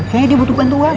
kayanya dia butuh bantuan